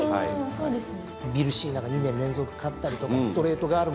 そうですね。